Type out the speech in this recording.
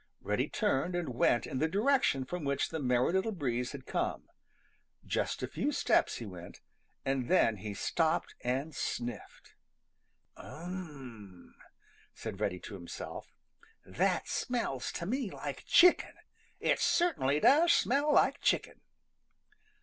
Reddy turned and went in the direction from which the Merry Little Breeze had come. Just a few steps he went, and then he stopped and sniffed. "Um m m," said Reddy to himself, "that smells to me like chicken. It certainly does smell like chicken!"